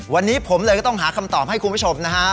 วันนี้ผมเลยก็ต้องหาคำตอบให้คุณผู้ชมนะฮะ